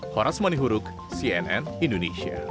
horas manihuruk cnn indonesia